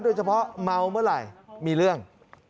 โดยเฉพาะเมาเมื่อไหร่มีเรื่อง